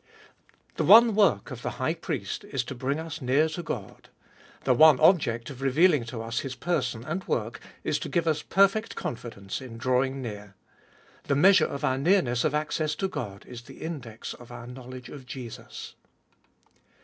The one work of the High Priest is to bring us near to God. The one object of revealing to us His person and work is to give us perfect confidence in drawing near. The measure of our nearness of access to God is the index of our knowledge of Jesus.